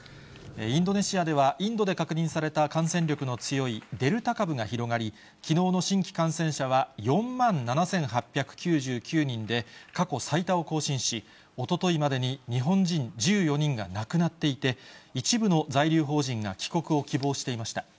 インドネシアでは、インドで確認された感染力の強いデルタ株が広がり、きのうの新規感染者は４万７８９９人で、過去最多を更新し、おとといまでに日本人１４人が亡くなっていて、一部の在留邦人が帰国を希望していました。